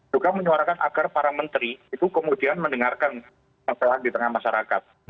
juga menyuarakan agar para menteri itu kemudian mendengarkan masalah di tengah masyarakat